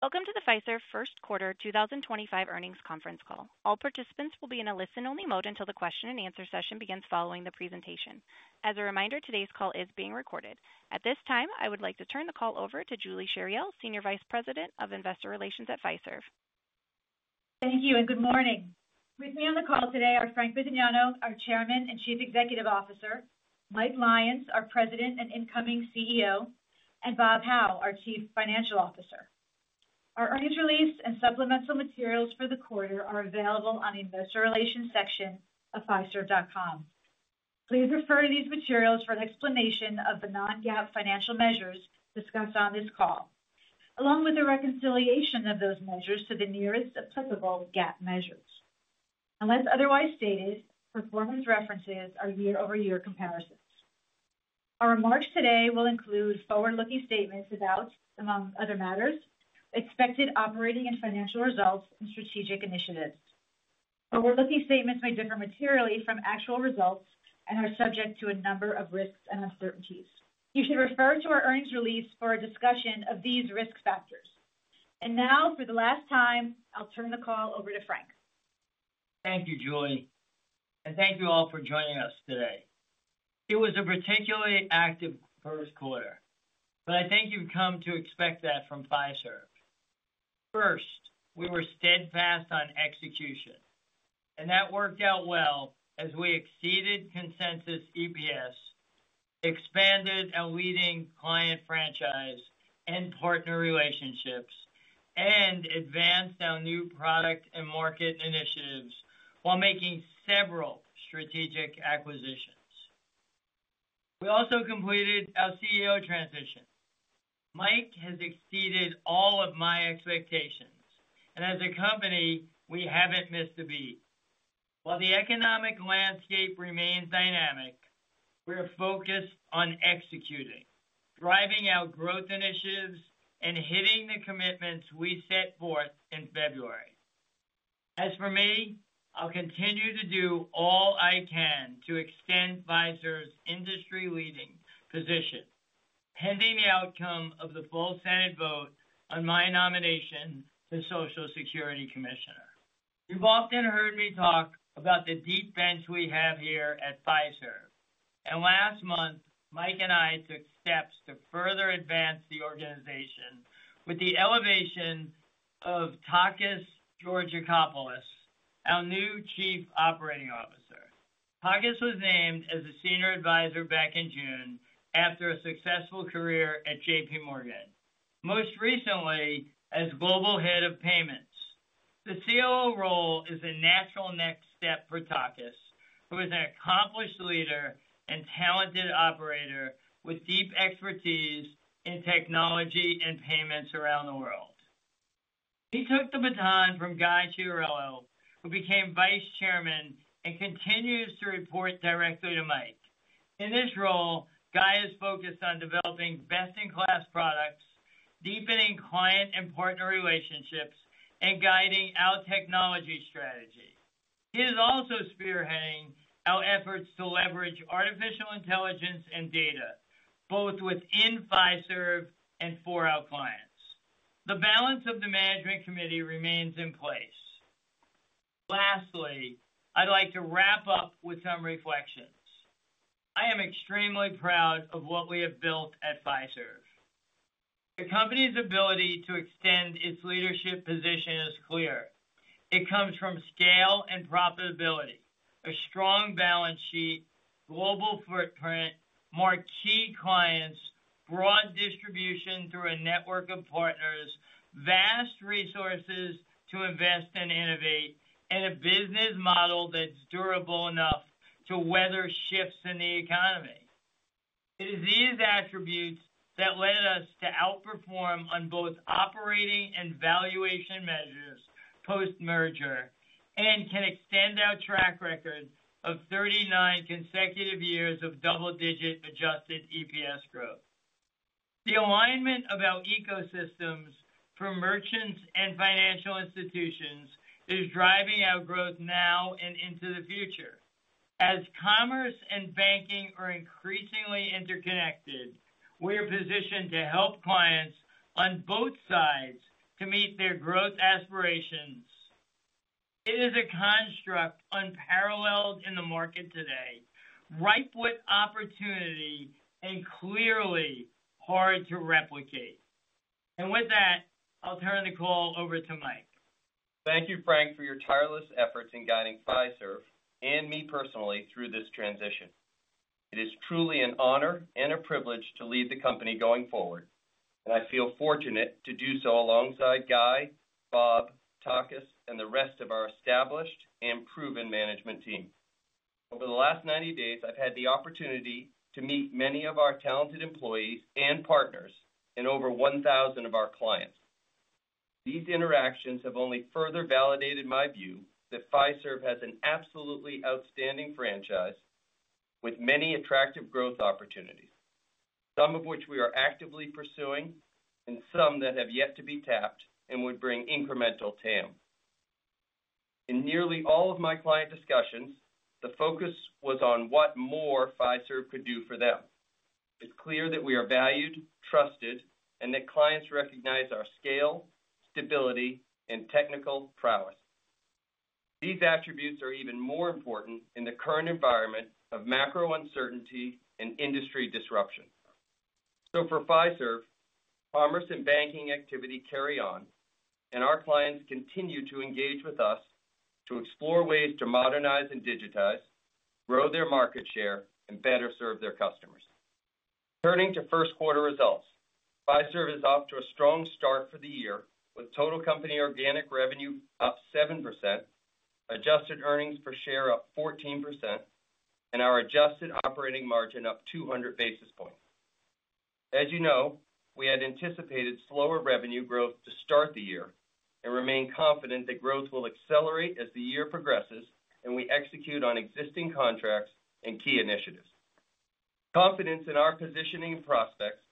Welcome to the Fiserv First Quarter 2025 Earnings Conference Call. All participants will be in a listen-only mode until the question-and-answer session begins following the presentation. As a reminder, today's call is being recorded. At this time, I would like to turn the call over to Julie Chariell, Senior Vice President of Investor Relations at Fiserv. Thank you, and good morning. With me on the call today are Frank Bisignano, our Chairman and Chief Executive Officer; Mike Lyons, our President and incoming CEO; and Bob Hau, our Chief Financial Officer. Our earnings release and supplemental materials for the quarter are available on the Investor Relations section of fiserv.com. Please refer to these materials for an explanation of the non-GAAP financial measures discussed on this call, along with the reconciliation of those measures to the nearest applicable GAAP measures. Unless otherwise stated, performance references are year-over-year comparisons. Our remarks today will include forward-looking statements about, among other matters, expected operating and financial results and strategic initiatives. Forward-looking statements may differ materially from actual results and are subject to a number of risks and uncertainties. You should refer to our earnings release for a discussion of these risk factors. Now, for the last time, I'll turn the call over to Frank. Thank you, Julie, and thank you all for joining us today. It was a particularly active first quarter, but I think you've come to expect that from Fiserv. First, we were steadfast on execution, and that worked out well as we exceeded consensus EPS, expanded our leading client franchise and partner relationships, and advanced our new product and market initiatives while making several strategic acquisitions. We also completed our CEO transition. Mike has exceeded all of my expectations, and as a company, we haven't missed a beat. While the economic landscape remains dynamic, we're focused on executing, driving out growth initiatives, and hitting the commitments we set forth in February. As for me, I'll continue to do all I can to extend Fiserv's industry-leading position, pending the outcome of the full Senate vote on my nomination to Social Security Commissioner. You've often heard me talk about the deep bench we have here at Fiserv, and last month, Mike and I took steps to further advance the organization with the elevation of Takis Georgakopoulos, our new Chief Operating Officer. Takis was named as a Senior Advisor back in June after a successful career at JPMorgan, most recently as Global Head of Payments. The COO role is a natural next step for Takis, who is an accomplished leader and talented operator with deep expertise in technology and payments around the world. He took the baton from Guy Chiarello, who became Vice Chairman, and continues to report directly to Mike. In this role, Guy is focused on developing best-in-class products, deepening client and partner relationships, and guiding our technology strategy. He is also spearheading our efforts to leverage artificial intelligence and data, both within Fiserv and for our clients. The balance of the Management Committee remains in place. Lastly, I'd like to wrap up with some reflections. I am extremely proud of what we have built at Fiserv. The company's ability to extend its leadership position is clear. It comes from scale and profitability, a strong balance sheet, global footprint, more key clients, broad distribution through a network of partners, vast resources to invest and innovate, and a business model that's durable enough to weather shifts in the economy. It is these attributes that led us to outperform on both operating and valuation measures post-merger and can extend our track record of 39 consecutive years of double-digit adjusted EPS growth. The alignment of our ecosystems for merchants and financial institutions is driving our growth now and into the future. As commerce and banking are increasingly interconnected, we are positioned to help clients on both sides to meet their growth aspirations. It is a construct unparalleled in the market today, ripe with opportunity and clearly hard to replicate. With that, I'll turn the call over to Mike. Thank you, Frank, for your tireless efforts in guiding Fiserv and me personally through this transition. It is truly an honor and a privilege to lead the company going forward, and I feel fortunate to do so alongside Guy, Bob, Takis, and the rest of our established and proven management team. Over the last 90 days, I've had the opportunity to meet many of our talented employees and partners and over 1,000 of our clients. These interactions have only further validated my view that Fiserv has an absolutely outstanding franchise with many attractive growth opportunities, some of which we are actively pursuing and some that have yet to be tapped and would bring incremental TAM. In nearly all of my client discussions, the focus was on what more Fiserv could do for them. It's clear that we are valued, trusted, and that clients recognize our scale, stability, and technical prowess. These attributes are even more important in the current environment of macro uncertainty and industry disruption. For Fiserv, commerce and banking activity carry on, and our clients continue to engage with us to explore ways to modernize and digitize, grow their market share, and better serve their customers. Turning to first-quarter results, Fiserv is off to a strong start for the year with total company organic revenue up 7%, adjusted earnings per share up 14%, and our adjusted operating margin up 200 basis points. As you know, we had anticipated slower revenue growth to start the year and remain confident that growth will accelerate as the year progresses and we execute on existing contracts and key initiatives. Confidence in our positioning and prospects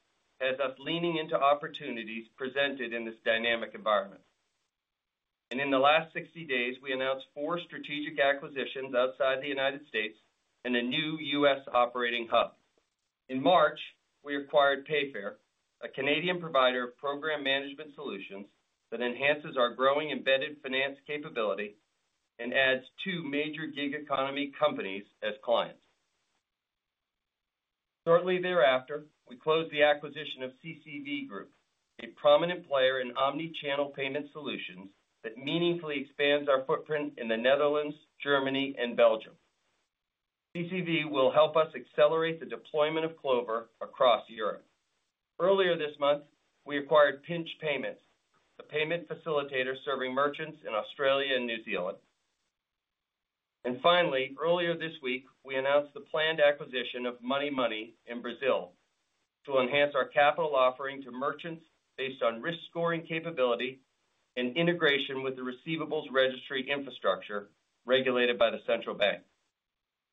has us leaning into opportunities presented in this dynamic environment. In the last 60 days, we announced four strategic acquisitions outside the U.S. and a new U.S. operating hub. In March, we acquired Payfare, a Canadian provider of program management solutions that enhances our growing embedded finance capability and adds two major gig economy companies as clients. Shortly thereafter, we closed the acquisition of CCV Group, a prominent player in omnichannel payment solutions that meaningfully expands our footprint in the Netherlands, Germany, and Belgium. CCV will help us accelerate the deployment of Clover across Europe. Earlier this month, we acquired Pinch Payments, a payment facilitator serving merchants in Australia and New Zealand. Finally, earlier this week, we announced the planned acquisition of Money Money in Brazil to enhance our capital offering to merchants based on risk scoring capability and integration with the receivables registry infrastructure regulated by the central bank.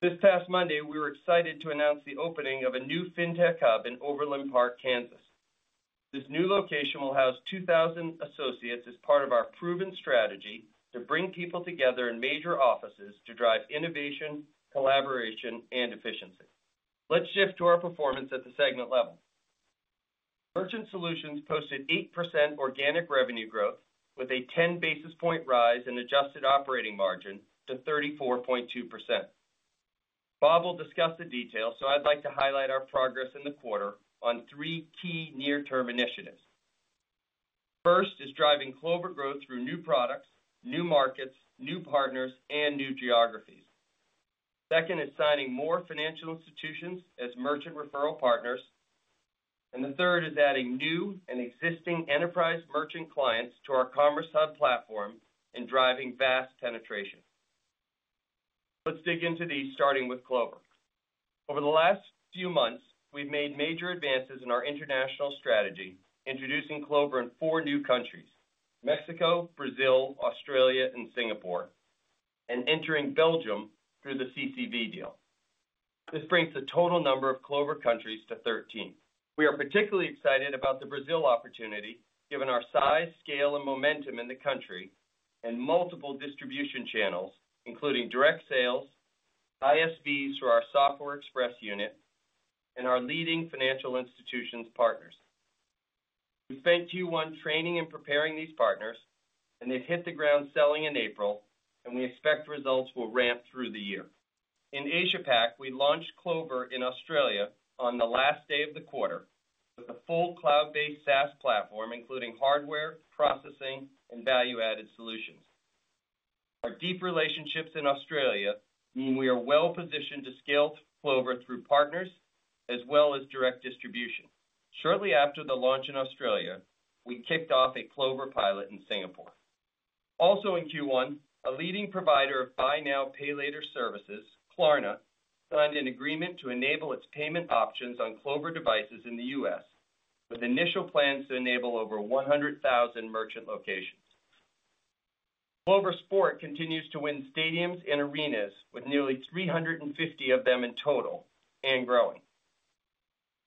This past Monday, we were excited to announce the opening of a new fintech hub in Overland Park, Kansas. This new location will house 2,000 associates as part of our proven strategy to bring people together in major offices to drive innovation, collaboration, and efficiency. Let's shift to our performance at the segment level. Merchant Solutions posted 8% organic revenue growth with a 10 basis point rise in adjusted operating margin to 34.2%. Bob will discuss the details, so I'd like to highlight our progress in the quarter on three key near-term initiatives. First is driving Clover growth through new products, new markets, new partners, and new geographies. Second is signing more financial institutions as merchant referral partners. The third is adding new and existing enterprise merchant clients to our Commerce Hub platform and driving VAS penetration. Let's dig into these, starting with Clover. Over the last few months, we've made major advances in our international strategy, introducing Clover in four new countries: Mexico, Brazil, Australia, and Singapore, and entering Belgium through the CCV deal. This brings the total number of Clover countries to 13. We are particularly excited about the Brazil opportunity, given our size, scale, and momentum in the country and multiple distribution channels, including direct sales, ISVs for our Software Express unit, and our leading financial institutions partners. We spent Q1 training and preparing these partners, and they've hit the ground selling in April, and we expect results will ramp through the year. In Asia-Pac, we launched Clover in Australia on the last day of the quarter with a full cloud-based SaaS platform, including hardware, processing, and value-added solutions. Our deep relationships in Australia mean we are well-positioned to scale Clover through partners as well as direct distribution. Shortly after the launch in Australia, we kicked off a Clover pilot in Singapore. Also in Q1, a leading provider of buy-now-pay-later services, Klarna, signed an agreement to enable its payment options on Clover devices in the U.S., with initial plans to enable over 100,000 merchant locations. Clover Sport continues to win stadiums and arenas, with nearly 350 of them in total and growing.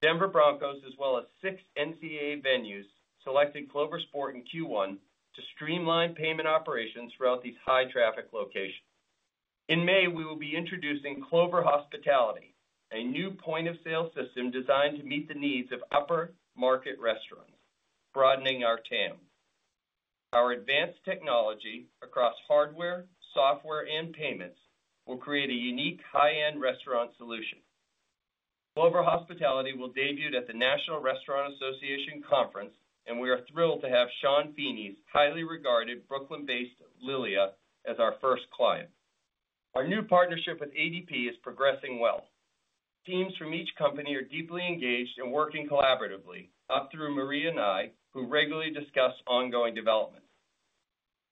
Denver Broncos, as well as six NCAA venues, selected Clover Sport in Q1 to streamline payment operations throughout these high-traffic locations. In May, we will be introducing Clover Hospitality, a new point-of-sale system designed to meet the needs of upper-market restaurants, broadening our TAM. Our advanced technology across hardware, software, and payments will create a unique high-end restaurant solution. Clover Hospitality will debut at the National Restaurant Association Conference, and we are thrilled to have Sean Feeney's highly regarded Brooklyn-based Lilia as our first client. Our new partnership with ADP is progressing well. Teams from each company are deeply engaged and working collaboratively, up through Maria and I, who regularly discuss ongoing development.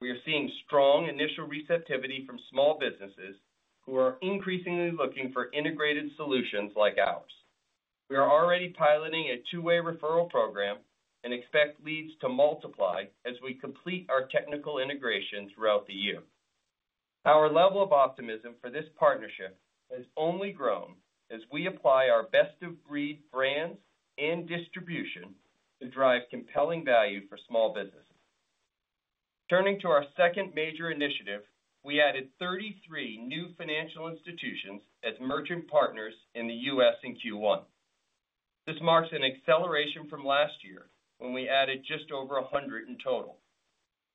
We are seeing strong initial receptivity from small businesses who are increasingly looking for integrated solutions like ours. We are already piloting a two-way referral program and expect leads to multiply as we complete our technical integration throughout the year. Our level of optimism for this partnership has only grown as we apply our best-of-breed brands and distribution to drive compelling value for small businesses. Turning to our second major initiative, we added 33 new financial institutions as merchant partners in the U.S. in Q1. This marks an acceleration from last year when we added just over 100 in total.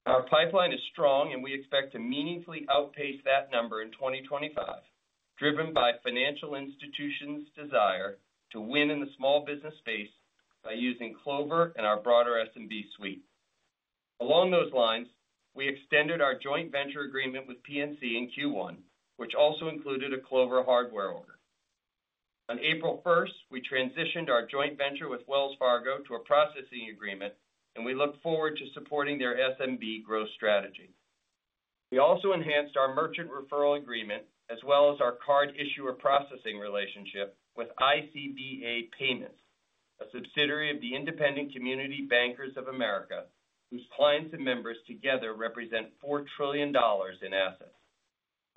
Our pipeline is strong, and we expect to meaningfully outpace that number in 2025, driven by financial institutions' desire to win in the small business space by using Clover and our broader SMB suite. Along those lines, we extended our joint venture agreement with PNC in Q1, which also included a Clover hardware order. On April 1, we transitioned our joint venture with Wells Fargo to a processing agreement, and we look forward to supporting their SMB growth strategy. We also enhanced our merchant referral agreement as well as our card issuer processing relationship with ICBA Payments, a subsidiary of the Independent Community Bankers of America, whose clients and members together represent $4 trillion in assets.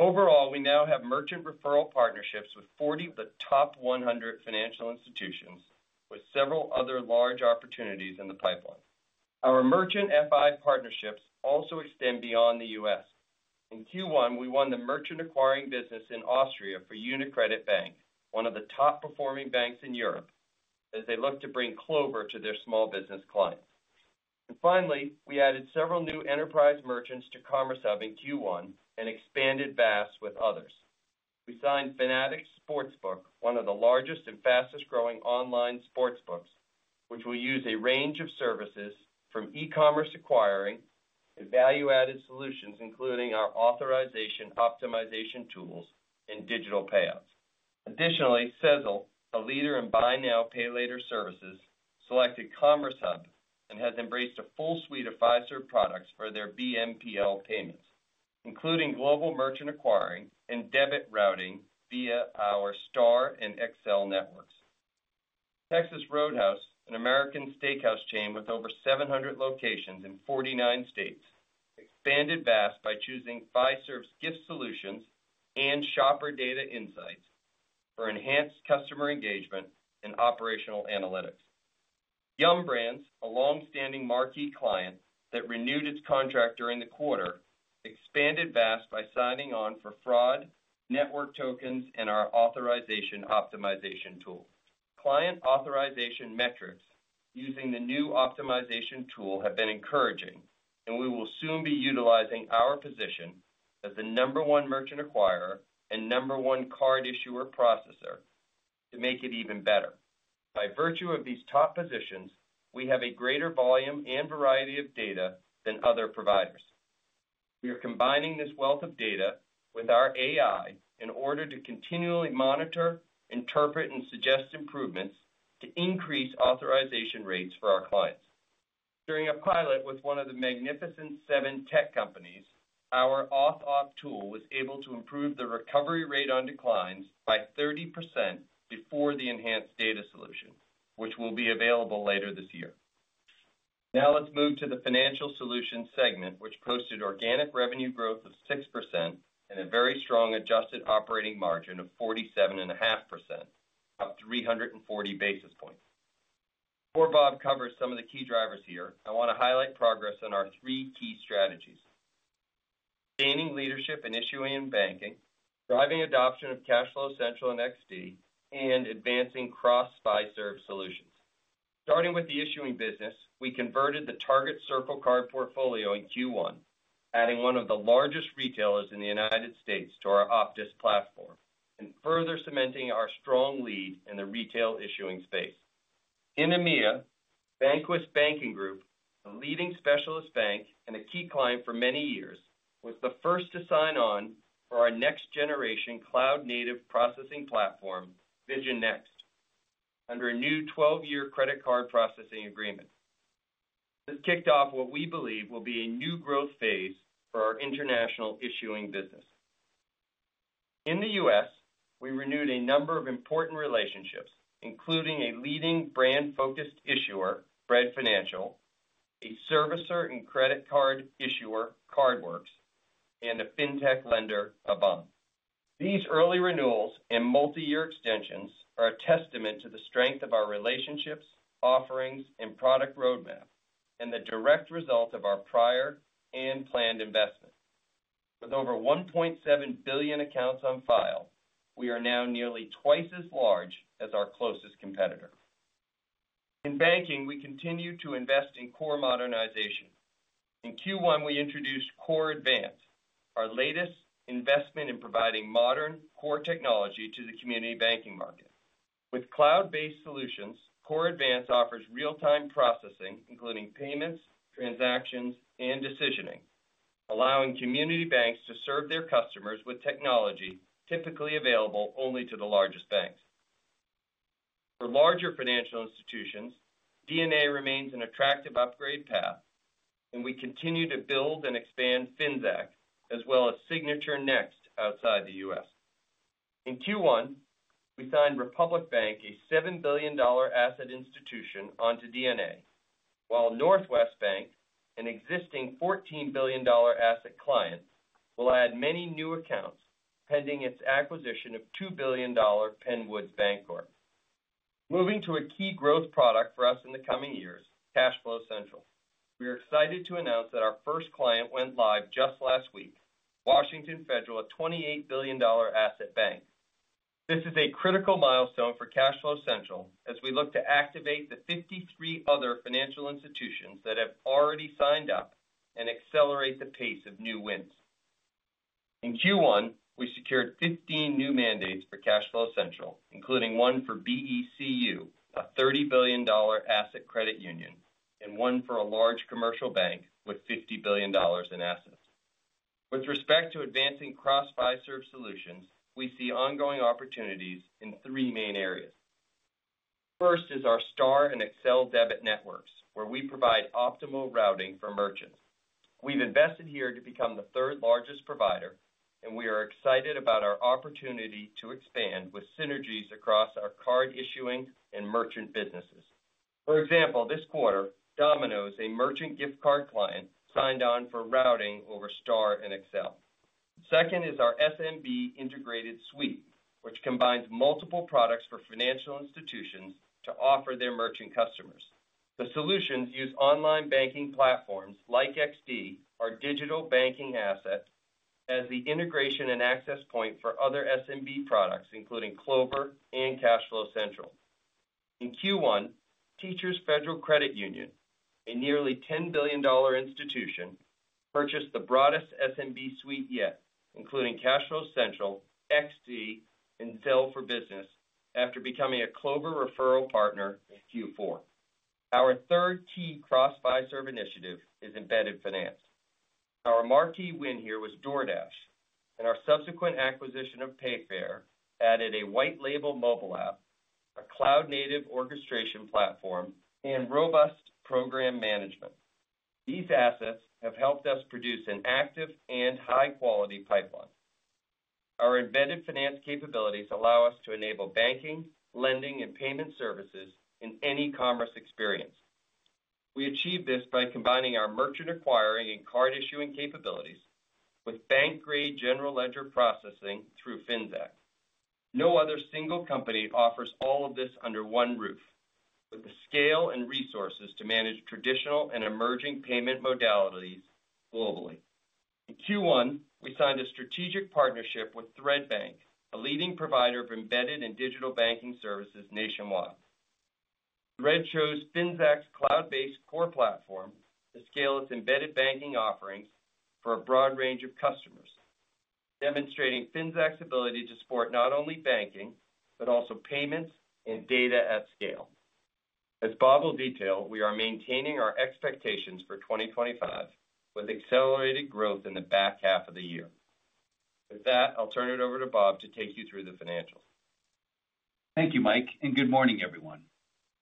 Overall, we now have merchant referral partnerships with 40 of the top 100 financial institutions, with several other large opportunities in the pipeline. Our merchant FI partnerships also extend beyond the U.S. In Q1, we won the merchant acquiring business in Austria for UniCredit Bank, one of the top-performing banks in Europe, as they look to bring Clover to their small business clients. Finally, we added several new enterprise merchants to Commerce Hub in Q1 and expanded BaaS with others. We signed Fanatics Sportsbook, one of the largest and fastest-growing online sportsbooks, which will use a range of services from e-commerce acquiring to value-added solutions, including our authorization optimization tools and digital payouts. Additionally, Sezzle, a leader in buy-now-pay-later services, selected Commerce Hub and has embraced a full suite of Fiserv products for their BNPL payments, including global merchant acquiring and debit routing via our STAR and Accel networks. Texas Roadhouse, an American steakhouse chain with over 700 locations in 49 states, expanded BaaS by choosing Fiserv's gift solutions and shopper data insights for enhanced customer engagement and operational analytics. Yum! Brands, a long-standing marquee client that renewed its contract during the quarter, expanded BaaS by signing on for fraud, network tokens, and our authorization optimization tool. Client authorization metrics using the new optimization tool have been encouraging, and we will soon be utilizing our position as the number one merchant acquirer and number one card issuer processor to make it even better. By virtue of these top positions, we have a greater volume and variety of data than other providers. We are combining this wealth of data with our AI in order to continually monitor, interpret, and suggest improvements to increase authorization rates for our clients. During a pilot with one of the Magnificent Seven tech companies, our auth op tool was able to improve the recovery rate on declines by 30% before the enhanced data solution, which will be available later this year. Now let's move to the Financial Solutions segment, which posted organic revenue growth of 6% and a very strong adjusted operating margin of 47.5%, up 340 basis points. Before Bob covers some of the key drivers here, I want to highlight progress on our three key strategies: gaining leadership in issuing and banking, driving adoption of CashFlow Central and XD, and advancing cross-Fiserv solutions. Starting with the issuing business, we converted the Target Circle card portfolio in Q1, adding one of the largest retailers in the United States to our Optus platform and further cementing our strong lead in the retail issuing space. In EMEA, Vanquis Banking Group, a leading specialist bank and a key client for many years, was the first to sign on for our next-generation cloud-native processing platform, VisionPlus, under a new 12-year credit card processing agreement. This kicked off what we believe will be a new growth phase for our international issuing business. In the U.S., we renewed a number of important relationships, including a leading brand-focused issuer, Bread Financial, a servicer and credit card issuer, CardWorks, and a fintech lender, Avant. These early renewals and multi-year extensions are a testament to the strength of our relationships, offerings, and product roadmap, and the direct result of our prior and planned investment. With over 1.7 billion accounts on file, we are now nearly twice as large as our closest competitor. In banking, we continue to invest in core modernization. In Q1, we introduced Core Advance, our latest investment in providing modern core technology to the community banking market. With cloud-based solutions, Core Advance offers real-time processing, including payments, transactions, and decisioning, allowing community banks to serve their customers with technology typically available only to the largest banks. For larger financial institutions, DNA remains an attractive upgrade path, and we continue to build and expand Finxact, as well as Signature Next outside the U.S. In Q1, we signed Republic Bank, a $7 billion asset institution, onto DNA, while Northwest Bank, an existing $14 billion asset client, will add many new accounts pending its acquisition of $2 billion Penn Woods Bancorp. Moving to a key growth product for us in the coming years, CashFlow Central. We are excited to announce that our first client went live just last week, Washington Federal, a $28 billion asset bank. This is a critical milestone for CashFlow Central as we look to activate the 53 other financial institutions that have already signed up and accelerate the pace of new wins. In Q1, we secured 15 new mandates for CashFlow Central, including one for BECU, a $30 billion asset credit union, and one for a large commercial bank with $50 billion in assets. With respect to advancing cross-Fiserv solutions, we see ongoing opportunities in three main areas. First is our STAR and XL debit networks, where we provide optimal routing for merchants. We've invested here to become the third largest provider, and we are excited about our opportunity to expand with synergies across our card issuing and merchant businesses. For example, this quarter, Domino's, a merchant gift card client, signed on for routing over STAR and XL. Second is our S&B integrated suite, which combines multiple products for financial institutions to offer their merchant customers. The solutions use online banking platforms like XD, our digital banking asset, as the integration and access point for other S&B products, including Clover and CashFlow Central. In Q1, Teachers Federal Credit Union, a nearly $10 billion institution, purchased the broadest S&B suite yet, including CashFlow Central, XD, and Zelle for Business, after becoming a Clover referral partner in Q4. Our third key cross-Fiserv initiative is embedded finance. Our marquee win here was DoorDash, and our subsequent acquisition of Payfare added a white-label mobile app, a cloud-native orchestration platform, and robust program management. These assets have helped us produce an active and high-quality pipeline. Our embedded finance capabilities allow us to enable banking, lending, and payment services in any commerce experience. We achieve this by combining our merchant acquiring and card issuing capabilities with bank-grade general ledger processing through FinZac. No other single company offers all of this under one roof, with the scale and resources to manage traditional and emerging payment modalities globally. In Q1, we signed a strategic partnership with Thread Bank, a leading provider of embedded and digital banking services nationwide. Thread chose FinZac's cloud-based core platform to scale its embedded banking offerings for a broad range of customers, demonstrating FinZac's ability to support not only banking but also payments and data at scale. As Bob will detail, we are maintaining our expectations for 2025 with accelerated growth in the back half of the year. With that, I'll turn it over to Bob to take you through the financials. Thank you, Mike, and good morning, everyone.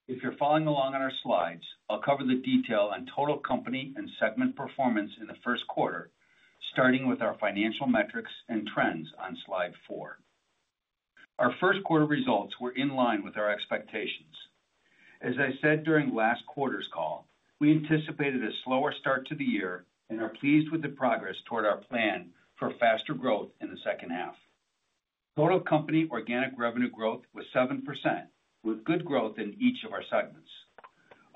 If you're following along on our slides, I'll cover the detail on total company and segment performance in the first quarter, starting with our financial metrics and trends on slide four. Our first quarter results were in line with our expectations. As I said during last quarter's call, we anticipated a slower start to the year and are pleased with the progress toward our plan for faster growth in the second half. Total company organic revenue growth was 7%, with good growth in each of our segments.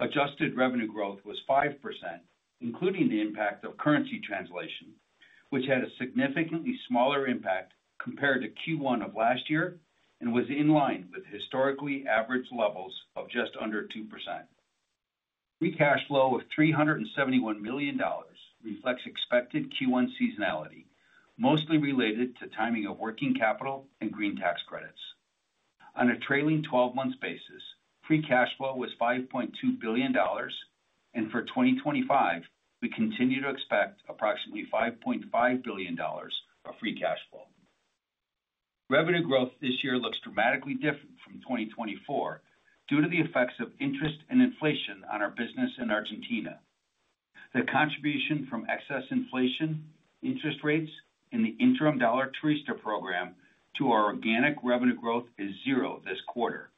Adjusted revenue growth was 5%, including the impact of currency translation, which had a significantly smaller impact compared to Q1 of last year and was in line with historically average levels of just under 2%. Pre-cash flow of $371 million reflects expected Q1 seasonality, mostly related to timing of working capital and green tax credits. On a trailing 12-month basis, pre-cash flow was $5.2 billion, and for 2025, we continue to expect approximately $5.5 billion of pre-cash flow. Revenue growth this year looks dramatically different from 2024 due to the effects of interest and inflation on our business in Argentina. The contribution from excess inflation, interest rates, and the interim Dollar Twist program to our organic revenue growth is zero this quarter,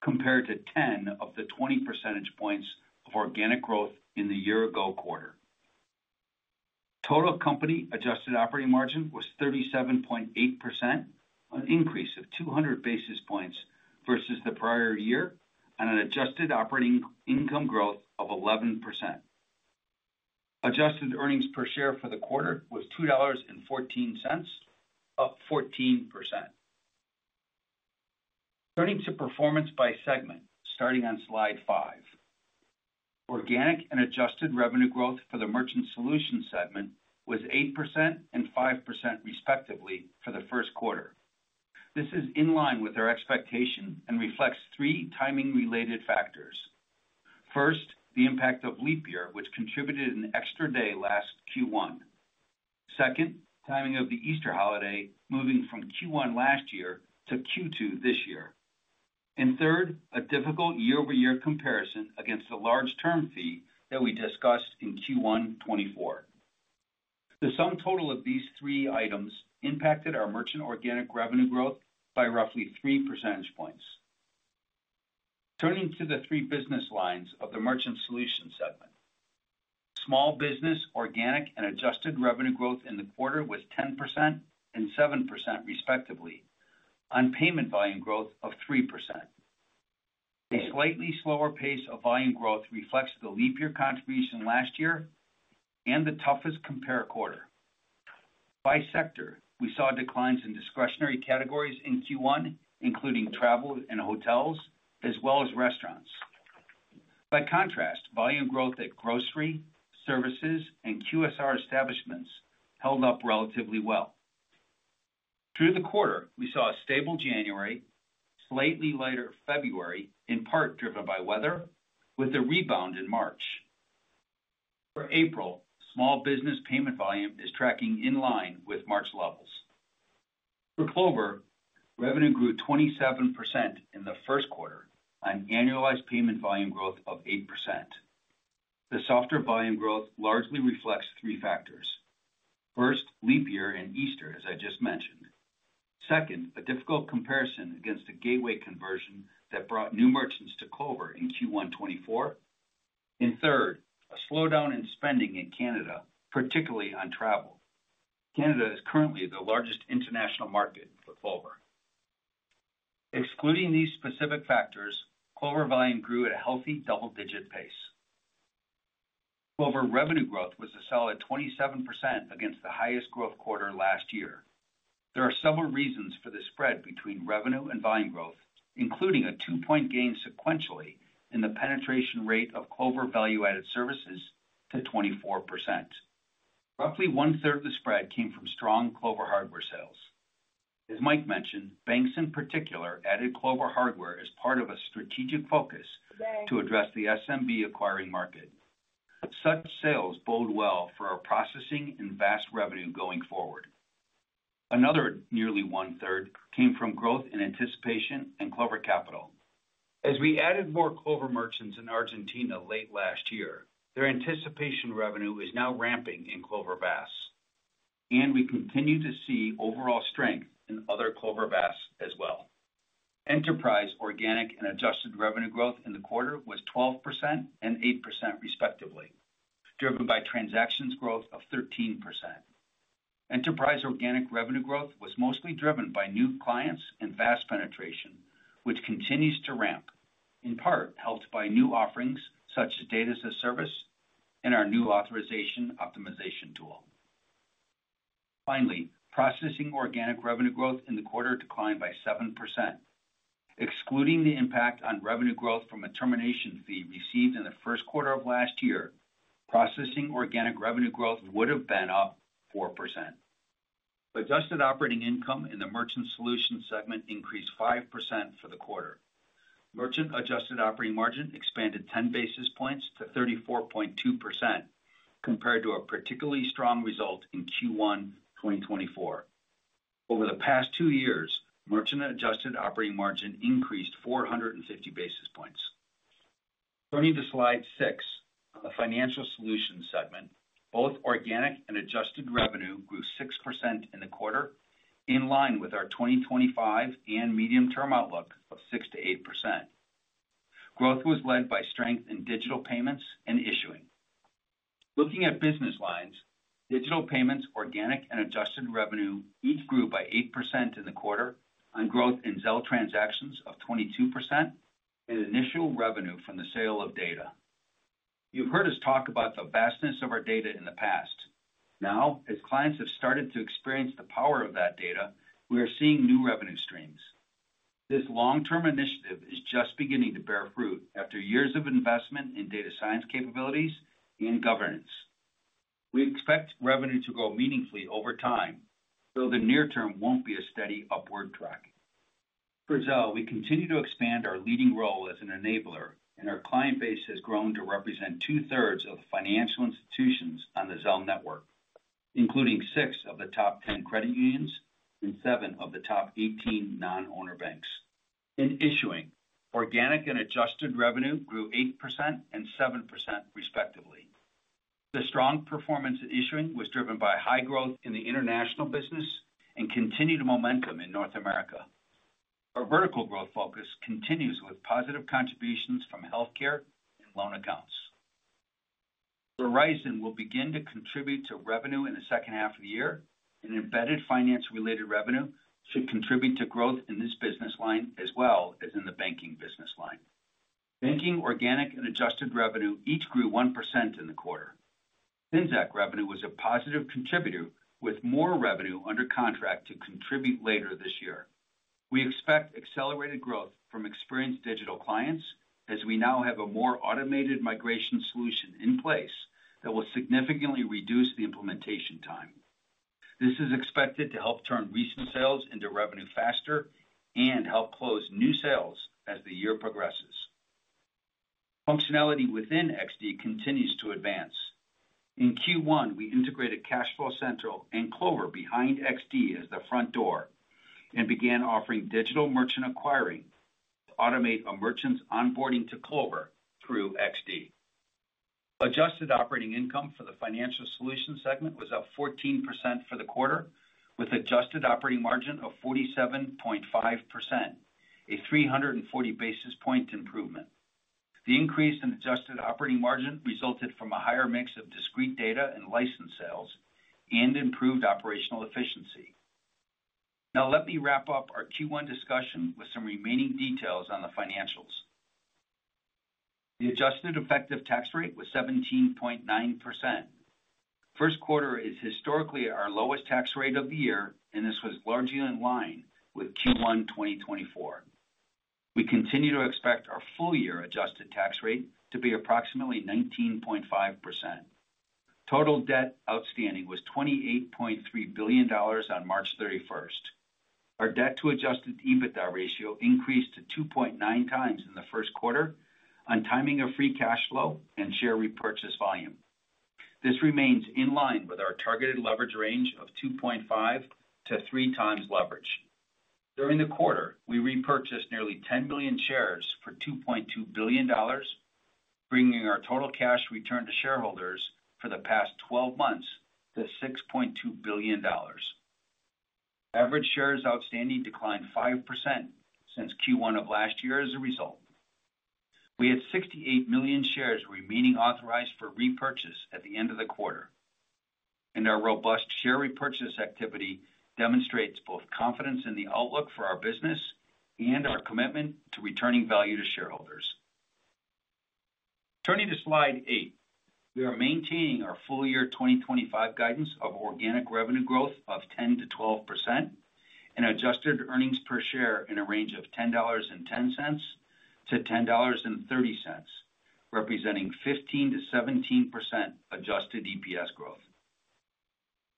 compared to 10 of the 20 percentage points of organic growth in the year-ago quarter. Total company adjusted operating margin was 37.8%, an increase of 200 basis points versus the prior year, and an adjusted operating income growth of 11%. Adjusted earnings per share for the quarter was $2.14, up 14%. Turning to performance by segment, starting on slide five, organic and adjusted revenue growth for the Merchant Solutions segment was 8% and 5% respectively for the first quarter. This is in line with our expectation and reflects three timing-related factors. First, the impact of leap year, which contributed an extra day last Q1. Second, timing of the Easter holiday moving from Q1 last year to Q2 this year. Third, a difficult year-over-year comparison against the large term fee that we discussed in Q1 2024. The sum total of these three items impacted our merchant organic revenue growth by roughly 3 percentage points. Turning to the three business lines of the Merchant Solutions segment, small business organic and adjusted revenue growth in the quarter was 10% and 7% respectively, on payment volume growth of 3%. A slightly slower pace of volume growth reflects the leap year contribution last year and the toughest compare quarter. By sector, we saw declines in discretionary categories in Q1, including travel and hotels, as well as restaurants. By contrast, volume growth at grocery services and QSR establishments held up relatively well. Through the quarter, we saw a stable January, slightly lighter February, in part driven by weather, with a rebound in March. For April, small business payment volume is tracking in line with March levels. For Clover, revenue grew 27% in the first quarter, on annualized payment volume growth of 8%. The softer volume growth largely reflects three factors. First, leap year and Easter, as I just mentioned. Second, a difficult comparison against a gateway conversion that brought new merchants to Clover in Q1 2024. Third, a slowdown in spending in Canada, particularly on travel. Canada is currently the largest international market for Clover. Excluding these specific factors, Clover volume grew at a healthy double-digit pace. Clover revenue growth was a solid 27% against the highest growth quarter last year. There are several reasons for the spread between revenue and volume growth, including a two-point gain sequentially in the penetration rate of Clover value-added services to 24%. Roughly one-third of the spread came from strong Clover hardware sales. As Mike mentioned, banks in particular added Clover hardware as part of a strategic focus to address the S&B acquiring market. Such sales bode well for our processing and VAS revenue going forward. Another nearly one-third came from growth in anticipation and Clover Capital. As we added more Clover merchants in Argentina late last year, their anticipation revenue is now ramping in Clover VAS. We continue to see overall strength in other Clover VAS as well. Enterprise organic and adjusted revenue growth in the quarter was 12% and 8% respectively, driven by transactions growth of 13%. Enterprise organic revenue growth was mostly driven by new clients and VAS penetration, which continues to ramp, in part helped by new offerings such as data as a service and our new authorization optimization tool. Finally, processing organic revenue growth in the quarter declined by 7%. Excluding the impact on revenue growth from a termination fee received in the first quarter of last year, processing organic revenue growth would have been up 4%. Adjusted operating income in the Merchant Solutions segment increased 5% for the quarter. Merchant adjusted operating margin expanded 10 basis points to 34.2%, compared to a particularly strong result in Q1 2024. Over the past two years, merchant adjusted operating margin increased 450 basis points. Turning to slide six, the Financial Solutions segment, both organic and adjusted revenue grew 6% in the quarter, in line with our 2025 and medium-term outlook of 6%-8%. Growth was led by strength in digital payments and issuing. Looking at business lines, digital payments, organic, and adjusted revenue each grew by 8% in the quarter on growth in Zelle transactions of 22% and initial revenue from the sale of data. You've heard us talk about the vastness of our data in the past. Now, as clients have started to experience the power of that data, we are seeing new revenue streams. This long-term initiative is just beginning to bear fruit after years of investment in data science capabilities and governance. We expect revenue to grow meaningfully over time, though the near term won't be a steady upward track. For Zelle, we continue to expand our leading role as an enabler, and our client base has grown to represent two-thirds of the financial institutions on the Zelle network, including six of the top 10 credit unions and seven of the top 18 non-owner banks. In issuing, organic and adjusted revenue grew 8% and 7% respectively. The strong performance in issuing was driven by high growth in the international business and continued momentum in North America. Our vertical growth focus continues with positive contributions from healthcare and loan accounts. Horizon will begin to contribute to revenue in the second half of the year, and embedded finance-related revenue should contribute to growth in this business line as well as in the banking business line. Banking, organic, and adjusted revenue each grew 1% in the quarter. FinZac revenue was a positive contributor, with more revenue under contract to contribute later this year. We expect accelerated growth from experienced digital clients, as we now have a more automated migration solution in place that will significantly reduce the implementation time. This is expected to help turn recent sales into revenue faster and help close new sales as the year progresses. Functionality within XD continues to advance. In Q1, we integrated CashFlow Central and Clover behind XD as the front door and began offering digital merchant acquiring to automate a merchant's onboarding to Clover through XD. Adjusted operating income for the Financial Solutions segment was up 14% for the quarter, with adjusted operating margin of 47.5%, a 340 basis point improvement. The increase in adjusted operating margin resulted from a higher mix of discrete data and license sales and improved operational efficiency. Now, let me wrap up our Q1 discussion with some remaining details on the financials. The adjusted effective tax rate was 17.9%. First quarter is historically our lowest tax rate of the year, and this was largely in line with Q1 2024. We continue to expect our full-year adjusted tax rate to be approximately 19.5%. Total debt outstanding was $28.3 billion on March 31. Our debt-to-adjusted EBITDA ratio increased to 2.9 times in the first quarter on timing of free cash flow and share repurchase volume. This remains in line with our targeted leverage range of 2.5-3 times leverage. During the quarter, we repurchased nearly 10 million shares for $2.2 billion, bringing our total cash return to shareholders for the past 12 months to $6.2 billion. Average shares outstanding declined 5% since Q1 of last year as a result. We had 68 million shares remaining authorized for repurchase at the end of the quarter. Our robust share repurchase activity demonstrates both confidence in the outlook for our business and our commitment to returning value to shareholders. Turning to slide eight, we are maintaining our full-year 2025 guidance of organic revenue growth of 10-12% and adjusted earnings per share in a range of $10.10-$10.30, representing 15-17% adjusted EPS growth.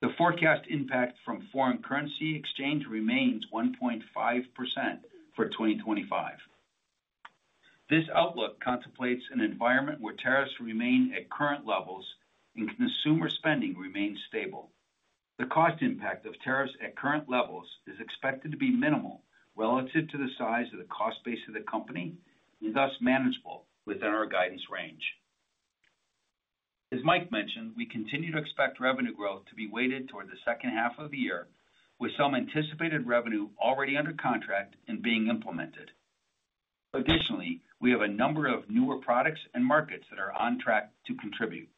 The forecast impact from foreign currency exchange remains 1.5% for 2025. This outlook contemplates an environment where tariffs remain at current levels and consumer spending remains stable. The cost impact of tariffs at current levels is expected to be minimal relative to the size of the cost base of the company and thus manageable within our guidance range. As Mike mentioned, we continue to expect revenue growth to be weighted toward the second half of the year, with some anticipated revenue already under contract and being implemented. Additionally, we have a number of newer products and markets that are on track to contribute.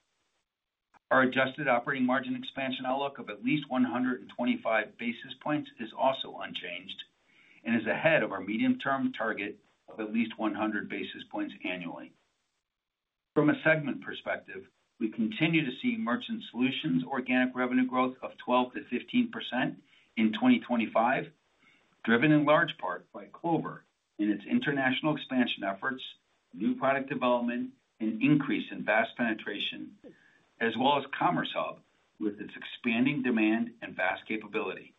Our adjusted operating margin expansion outlook of at least 125 basis points is also unchanged and is ahead of our medium-term target of at least 100 basis points annually. From a segment perspective, we continue to see Merchant Solutions organic revenue growth of 12-15% in 2025, driven in large part by Clover and its international expansion efforts, new product development, and increase in VAS penetration, as well as Commerce Hub with its expanding demand and VAS capability.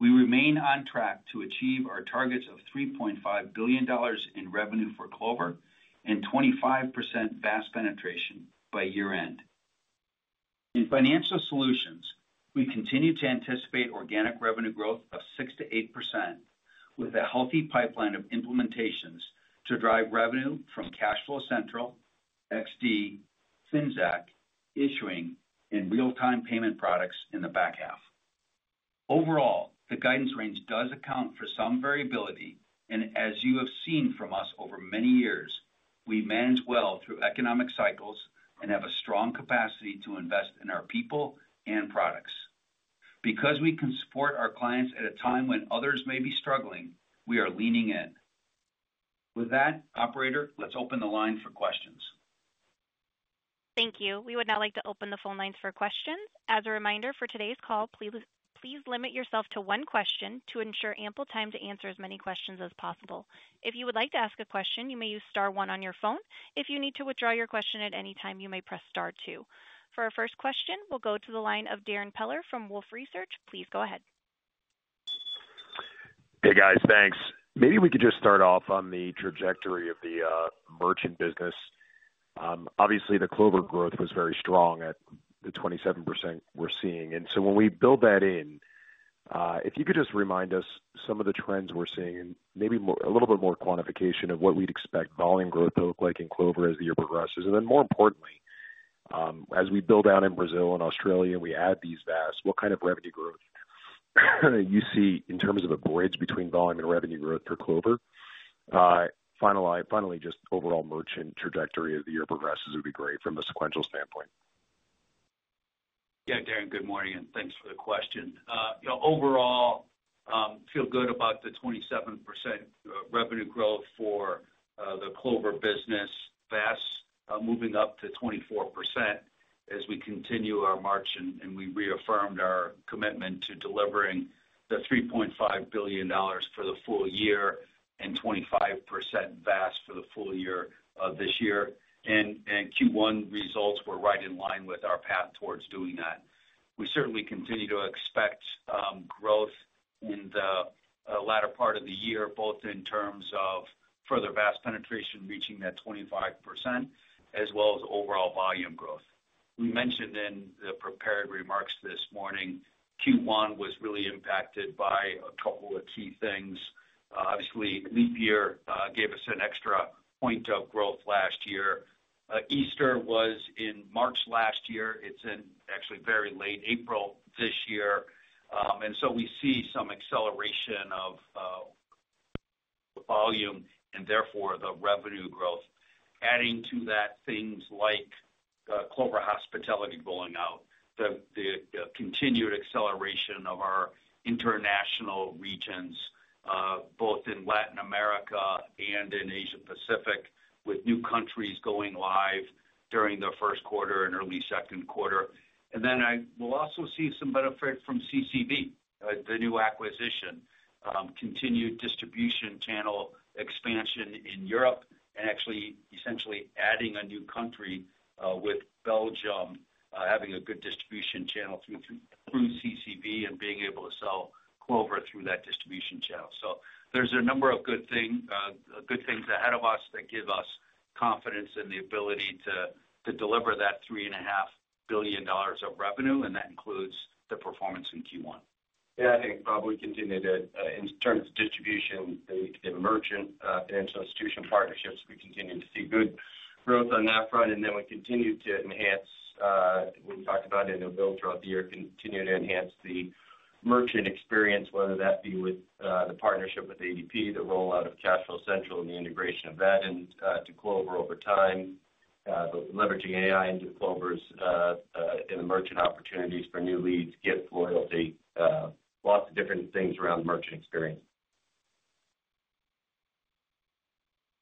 We remain on track to achieve our targets of $3.5 billion in revenue for Clover and 25% VAS penetration by year-end. In Financial Solutions, we continue to anticipate organic revenue growth of 6-8%, with a healthy pipeline of implementations to drive revenue from CashFlow Central, XD, FinZac, issuing, and real-time payment products in the back half. Overall, the guidance range does account for some variability, and as you have seen from us over many years, we manage well through economic cycles and have a strong capacity to invest in our people and products. Because we can support our clients at a time when others may be struggling, we are leaning in. With that, operator, let's open the line for questions. Thank you. We would now like to open the phone lines for questions. As a reminder for today's call, please limit yourself to one question to ensure ample time to answer as many questions as possible. If you would like to ask a question, you may use Star 1 on your phone. If you need to withdraw your question at any time, you may press Star 2. For our first question, we'll go to the line of Darrin Peller from Wolfe Research. Please go ahead. Hey, guys, thanks. Maybe we could just start off on the trajectory of the merchant business. Obviously, the Clover growth was very strong at the 27% we're seeing. And so when we build that in, if you could just remind us some of the trends we're seeing and maybe a little bit more quantification of what we'd expect volume growth to look like in Clover as the year progresses. More importantly, as we build out in Brazil and Australia and we add these VAS, what kind of revenue growth do you see in terms of a bridge between volume and revenue growth for Clover? Finally, just overall merchant trajectory as the year progresses would be great from a sequential standpoint. Yeah, Darrin, good morning, and thanks for the question. Overall, feel good about the 27% revenue growth for the Clover business, VAS moving up to 24% as we continue our march and we reaffirmed our commitment to delivering the $3.5 billion for the full year and 25% VAS for the full year of this year. Q1 results were right in line with our path towards doing that. We certainly continue to expect growth in the latter part of the year, both in terms of further VAS penetration reaching that 25%, as well as overall volume growth. We mentioned in the prepared remarks this morning, Q1 was really impacted by a couple of key things. Obviously, leap year gave us an extra point of growth last year. Easter was in March last year. It's in actually very late April this year. You know, we see some acceleration of volume and therefore the revenue growth. Adding to that, things like Clover Hospitality rolling out, the continued acceleration of our international regions, both in Latin America and in Asia-Pacific, with new countries going live during the first quarter and early second quarter. We'll also see some benefit from CCV, the new acquisition, continued distribution channel expansion in Europe, and actually essentially adding a new country with Belgium having a good distribution channel through CCV and being able to sell Clover through that distribution channel. There are a number of good things ahead of us that give us confidence in the ability to deliver that $3.5 billion of revenue, and that includes the performance in Q1. Yeah, I think probably continue to, in terms of distribution, the merchant financial institution partnerships, we continue to see good growth on that front. We continue to enhance, we talked about it in the bill throughout the year, continue to enhance the merchant experience, whether that be with the partnership with ADP, the rollout of CashFlow Central, and the integration of that into Clover over time, leveraging AI into Clover's merchant opportunities for new leads, gift loyalty, lots of different things around the merchant experience.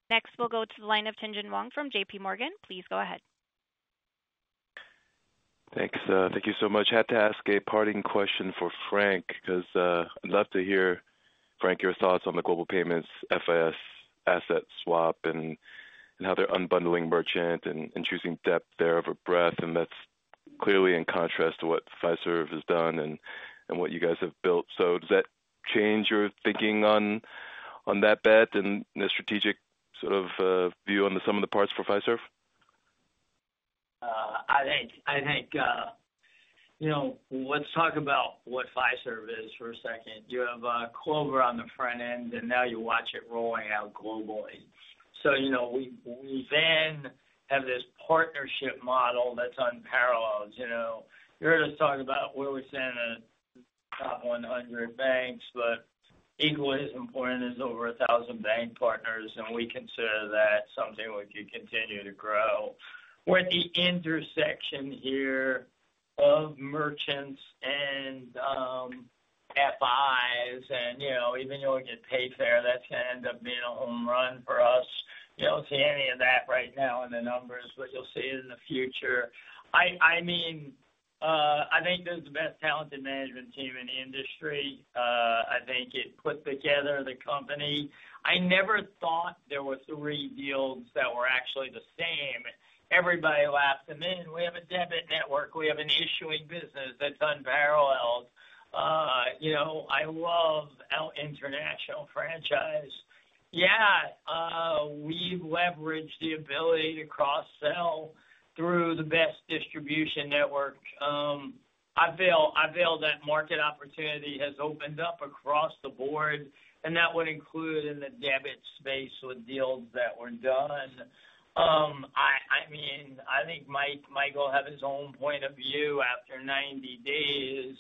Next, we'll go to the line of Tien-Tsin Huang from J.P. Morgan. Please go ahead. Thank you so much. I had to ask a parting question for Frank because I'd love to hear, Frank, your thoughts on the global payments FIS asset swap and how they're unbundling merchant and choosing depth there over breadth. That is clearly in contrast to what Fiserv has done and what you guys have built. Does that change your thinking on that bet and the strategic sort of view on some of the parts for Fiserv? I think let's talk about what Fiserv is for a second. You have Clover on the front end, and now you watch it rolling out globally. We then have this partnership model that's unparalleled. You're just talking about where we stand in the top 100 banks, but equally as important is over 1,000 bank partners, and we consider that something we could continue to grow. We're at the intersection here of merchants and FIs, and even though we get paid fair, that's going to end up being a home run for us. You don't see any of that right now in the numbers, but you'll see it in the future. I mean, I think there's the best talented management team in the industry. I think it put together the company. I never thought there were three deals that were actually the same. Everybody laughed them in. We have a debit network. We have an issuing business that's unparalleled. I love our international franchise. Yeah, we leverage the ability to cross-sell through the best distribution network. I feel that market opportunity has opened up across the board, and that would include in the debit space with deals that were done. I mean, I think Mike will have his own point of view after 90 days,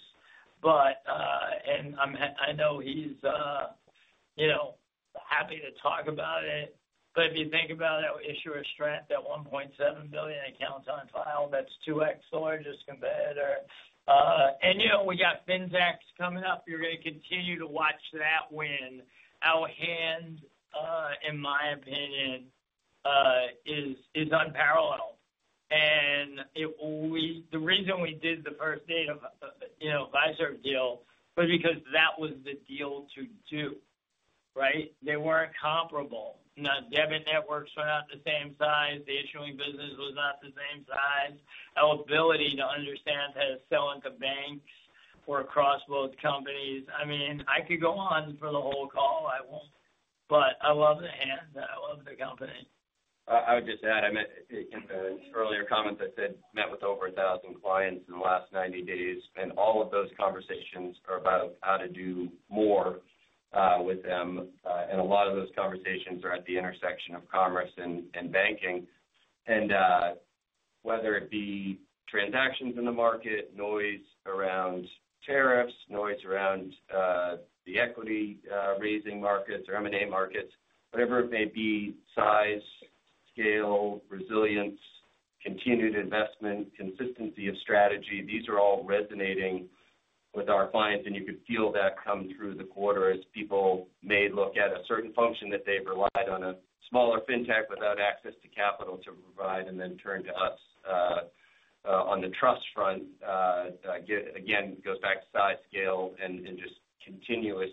but I know he's happy to talk about it. If you think about it, we issue a strength at 1.7 billion accounts on file. That's two X larger competitor. And we got FinZacs coming up. You're going to continue to watch that win. Our hand, in my opinion, is unparalleled. The reason we did the first date of Fiserv deal was because that was the deal to do, right? They weren't comparable. Now, debit networks were not the same size. The issuing business was not the same size. Our ability to understand how to sell into banks or across both companies. I mean, I could go on for the whole call. I won't, but I love the hand. I love the company. I would just add, in the earlier comments, I said we met with over 1,000 clients in the last 90 days, and all of those conversations are about how to do more with them. A lot of those conversations are at the intersection of commerce and banking. Whether it be transactions in the market, noise around tariffs, noise around the equity raising markets or M&A markets, whatever it may be, size, scale, resilience, continued investment, consistency of strategy, these are all resonating with our clients. You could feel that come through the quarter as people may look at a certain function that they've relied on a smaller fintech without access to capital to provide and then turn to us on the trust front. Again, it goes back to size, scale, and just continuous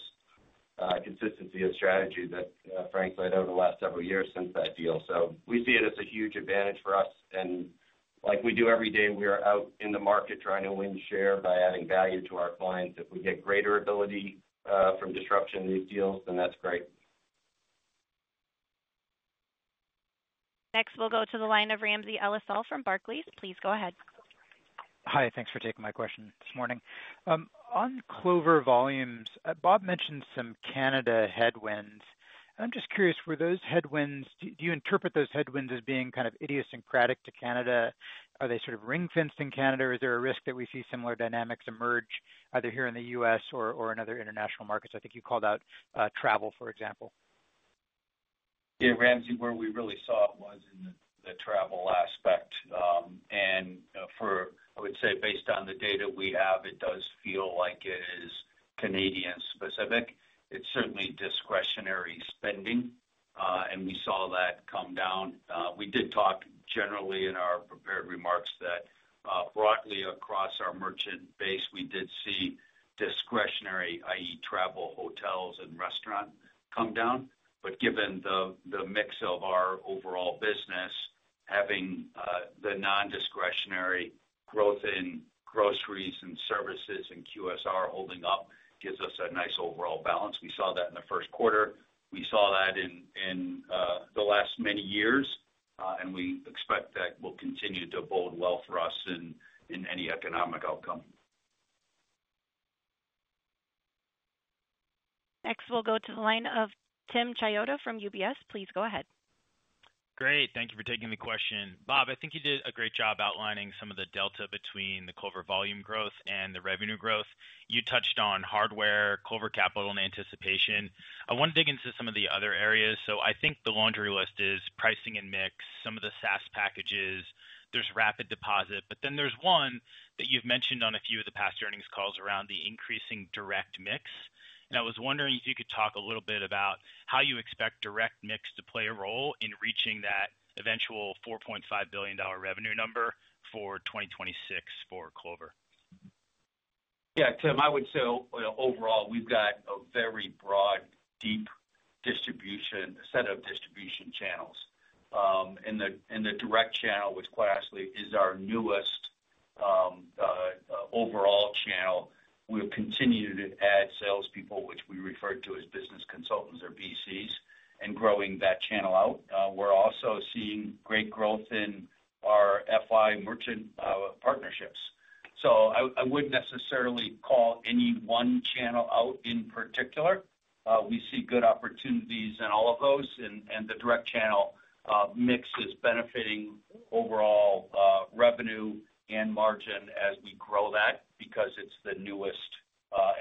consistency of strategy that, frankly, I know the last several years since that deal. We see it as a huge advantage for us. Like we do every day, we are out in the market trying to win share by adding value to our clients. If we get greater ability from disruption in these deals, then that's great. Next, we'll go to the line of Ramsey El-Assal from Barclays. Please go ahead. Hi, thanks for taking my question this morning. On Clover volumes, Bob mentioned some Canada headwinds. I'm just curious, were those headwinds—do you interpret those headwinds as being kind of idiosyncratic to Canada? Are they sort of ring-fenced in Canada? Is there a risk that we see similar dynamics emerge either here in the U.S. or in other international markets? I think you called out travel, for example. Yeah, Ramsey, where we really saw it was in the travel aspect. For, I would say, based on the data we have, it does feel like it is Canadian specific. It is certainly discretionary spending, and we saw that come down. We did talk generally in our prepared remarks that broadly across our merchant base, we did see discretionary, i.e., travel, hotels, and restaurants come down. Given the mix of our overall business, having the non-discretionary growth in groceries and services and QSR holding up gives us a nice overall balance. We saw that in the first quarter. We saw that in the last many years, and we expect that will continue to bode well for us in any economic outcome. Next, we will go to the line of Tim Chiodo from UBS. Please go ahead. Great. Thank you for taking the question. Bob, I think you did a great job outlining some of the delta between the Clover volume growth and the revenue growth. You touched on hardware, Clover Capital, and anticipation. I want to dig into some of the other areas. I think the laundry list is pricing and mix, some of the SaaS packages, there's rapid deposit, but then there's one that you've mentioned on a few of the past earnings calls around the increasing direct mix. I was wondering if you could talk a little bit about how you expect direct mix to play a role in reaching that eventual $4.5 billion revenue number for 2026 for Clover. Yeah, Tim, I would say overall, we've got a very broad, deep distribution set of distribution channels. The direct channel with Classly is our newest overall channel. We have continued to add salespeople, which we refer to as business consultants or BCs, and growing that channel out. We're also seeing great growth in our FI merchant partnerships. I wouldn't necessarily call any one channel out in particular. We see good opportunities in all of those, and the direct channel mix is benefiting overall revenue and margin as we grow that because it's the newest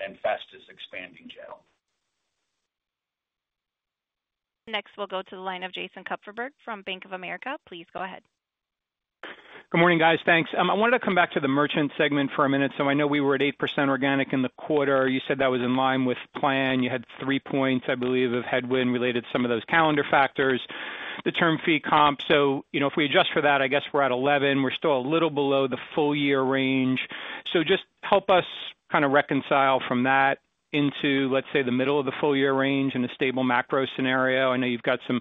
and fastest expanding channel. Next, we'll go to the line of Jason Kupferberg from Bank of America. Please go ahead. Good morning, guys. Thanks. I wanted to come back to the merchant segment for a minute. I know we were at 8% organic in the quarter. You said that was in line with plan. You had three points, I believe, of headwind related to some of those calendar factors, the term fee comp. If we adjust for that, I guess we're at 11. We're still a little below the full year range. Just help us kind of reconcile from that into, let's say, the middle of the full year range in a stable macro scenario. I know you've got some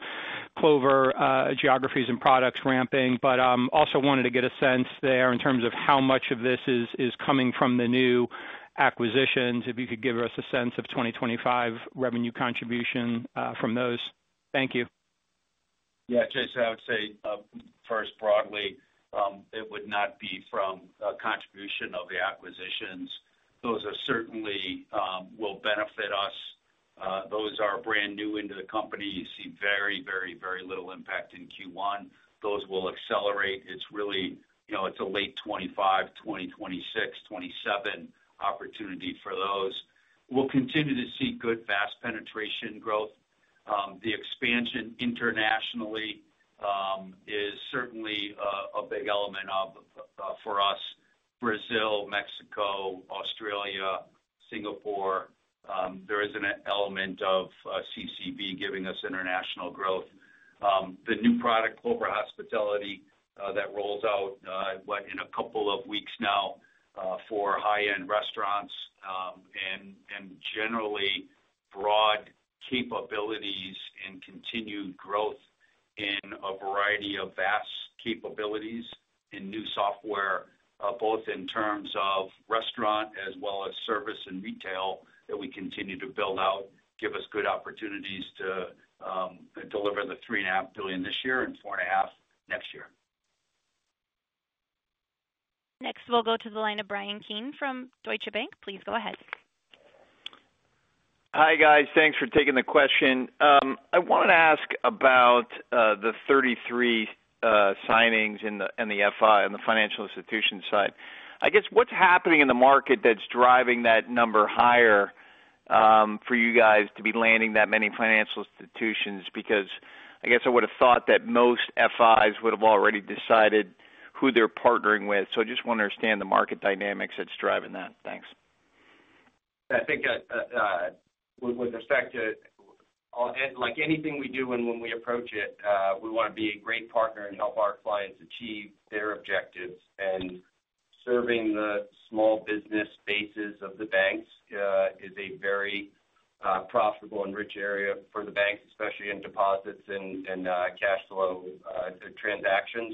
Clover geographies and products ramping, but also wanted to get a sense there in terms of how much of this is coming from the new acquisitions, if you could give us a sense of 2025 revenue contribution from those. Thank you. Yeah, Jason, I would say first, broadly, it would not be from contribution of the acquisitions. Those certainly will benefit us. Those are brand new into the company. You see very, very, very little impact in Q1. Those will accelerate. It's really a late 2025, 2026, 2027 opportunity for those. We'll continue to see good VAS penetration growth. The expansion internationally is certainly a big element for us: Brazil, Mexico, Australia, Singapore. There is an element of CCV giving us international growth. The new product, Clover Hospitality, that rolls out in a couple of weeks now for high-end restaurants and generally broad capabilities and continued growth in a variety of vast capabilities and new software, both in terms of restaurant as well as service and retail that we continue to build out, give us good opportunities to deliver the $3.5 billion this year and $4.5 billion next year. Next, we'll go to the line of Bryan Keane from Deutsche Bank. Please go ahead. Hi, guys. Thanks for taking the question. I wanted to ask about the 33 signings in the FI, in the financial institution side. I guess what's happening in the market that's driving that number higher for you guys to be landing that many financial institutions? Because I guess I would have thought that most FIs would have already decided who they're partnering with. I just want to understand the market dynamics that's driving that. Thanks. I think with respect to anything we do and when we approach it, we want to be a great partner and help our clients achieve their objectives. Serving the small business bases of the banks is a very profitable and rich area for the banks, especially in deposits and cash flow transactions.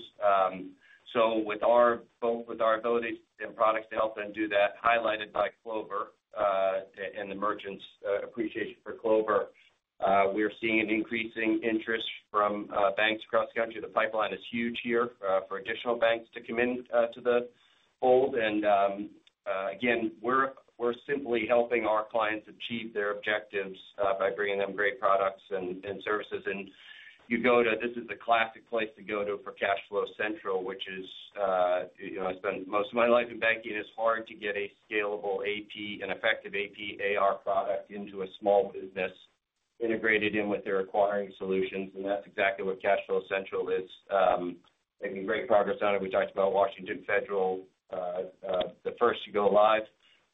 With our abilities and products to help them do that, highlighted by Clover and the merchants' appreciation for Clover, we're seeing an increasing interest from banks across the country. The pipeline is huge here for additional banks to come into the fold. Again, we're simply helping our clients achieve their objectives by bringing them great products and services. You go to, this is the classic place to go for CashFlow Central, which is, I spent most of my life in banking. It is hard to get a scalable AP and effective AP/AR product into a small business integrated in with their acquiring solutions. That is exactly what CashFlow Central is. Making great progress on it. We talked about Washington Federal, the first to go live,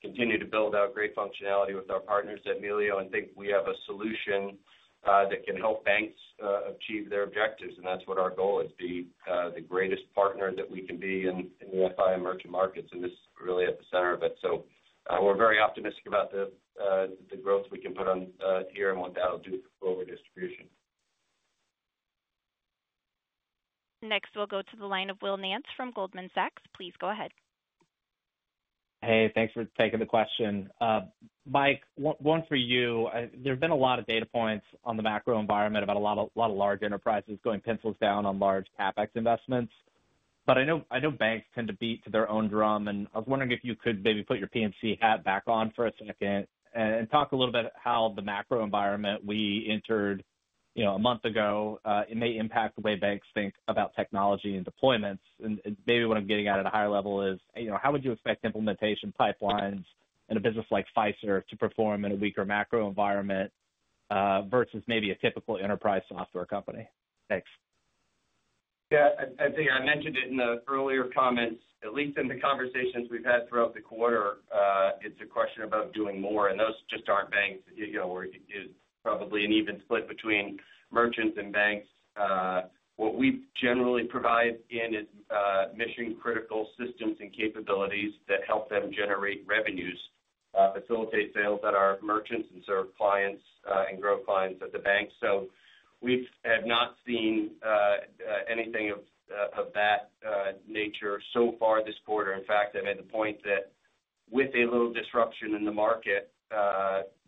continue to build out great functionality with our partners at Melio and think we have a solution that can help banks achieve their objectives. That is what our goal is: be the greatest partner that we can be in the FI and merchant markets. This is really at the center of it. We are very optimistic about the growth we can put on here and what that will do for Clover distribution. Next, we'll go to the line of Will Nance from Goldman Sachs. Please go ahead. Hey, thanks for taking the question. Mike, one for you. There have been a lot of data points on the macro environment about a lot of large enterprises going pencils down on large CapEx investments. I know banks tend to beat to their own drum. I was wondering if you could maybe put your JPMC hat back on for a second and talk a little bit about how the macro environment we entered a month ago may impact the way banks think about technology and deployments. What I'm getting at at a higher level is how would you expect implementation pipelines in a business like Fiserv to perform in a weaker macro environment versus maybe a typical enterprise software company? Thanks. Yeah, I think I mentioned it in the earlier comments, at least in the conversations we've had throughout the quarter, it's a question about doing more. Those just aren't banks. It's probably an even split between merchants and banks. What we generally provide is mission-critical systems and capabilities that help them generate revenues, facilitate sales at our merchants, and serve clients and grow clients at the bank. We have not seen anything of that nature so far this quarter. In fact, I made the point that with a little disruption in the market,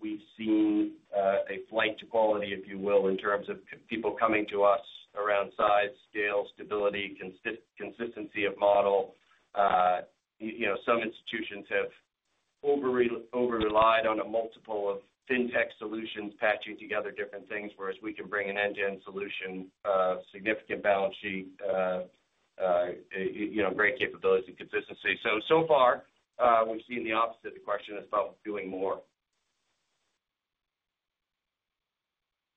we've seen a flight to quality, if you will, in terms of people coming to us around size, scale, stability, consistency of model. Some institutions have over-relied on a multiple of fintech solutions patching together different things, whereas we can bring an end-to-end solution, significant balance sheet, great capability, consistency. So far, we've seen the opposite. The question is about doing more.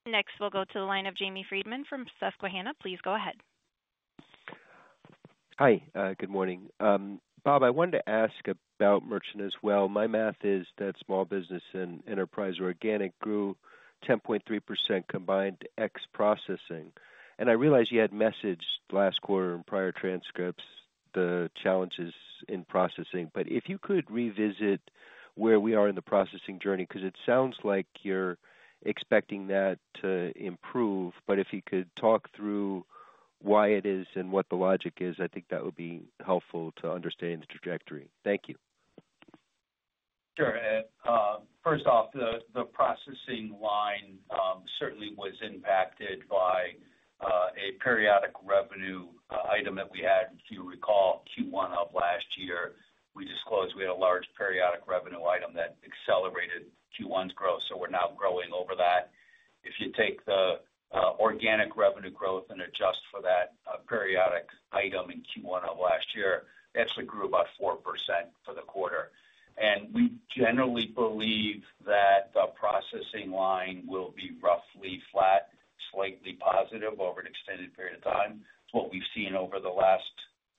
Next, we'll go to the line of Jamie Friedman from Susquehanna. Please go ahead. Hi, good morning. Bob, I wanted to ask about merchant as well. My math is that small business and enterprise organic grew 10.3% combined ex-processing. I realize you had messaged last quarter in prior transcripts the challenges in processing. If you could revisit where we are in the processing journey, because it sounds like you're expecting that to improve, if you could talk through why it is and what the logic is, I think that would be helpful to understand the trajectory. Thank you. Sure. First off, the processing line certainly was impacted by a periodic revenue item that we had, if you recall, Q1 of last year. We disclosed we had a large periodic revenue item that accelerated Q1's growth. We are now growing over that. If you take the organic revenue growth and adjust for that periodic item in Q1 of last year, it actually grew about 4% for the quarter. We generally believe that the processing line will be roughly flat, slightly positive over an extended period of time. It is what we have seen over the last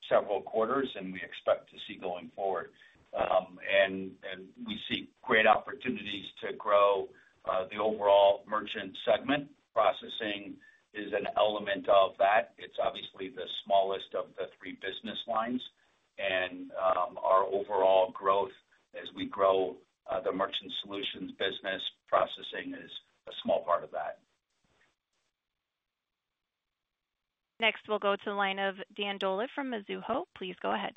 several quarters, and we expect to see going forward. We see great opportunities to grow the overall merchant segment. Processing is an element of that. It is obviously the smallest of the three business lines. Our overall growth, as we grow the Merchant Solutions business, processing is a small part of that. Next, we will go to the line of Dan Dolev from Mizuho. Please go ahead.